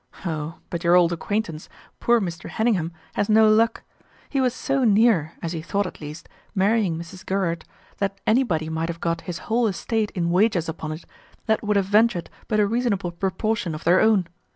Oh, but your old acquaintance, poor Mr. Heningham, has no luck! He was so near (as he thought at least) marrying Mrs. Gerherd that anybody might have got his whole estate in wagers upon't that would have ventured but a reasonable proportion of their own.